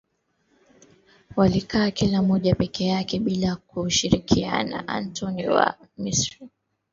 walikaa kila mmoja peke yake bila kushirikiana Antoni wa Misri